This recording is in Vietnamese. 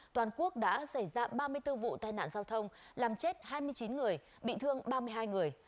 toàn quốc đã xảy ra ba mươi bốn vụ tai nạn giao thông làm chết hai mươi chín người bị thương ba mươi hai người